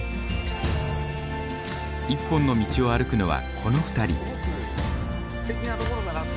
一本の道を歩くのはこの２人。